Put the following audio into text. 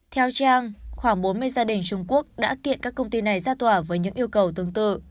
theo trang khoảng bốn mươi gia đình trung quốc đã kiện các công ty này ra tòa với những yêu cầu tương tự